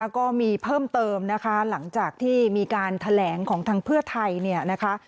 ก็มีเพิ่มเติมหลังจากที่มีการแถลงของทางเพื่อไทย